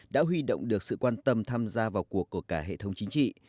đã huy động được sự quan tâm tham gia vào cuộc của cả hệ thống chính trị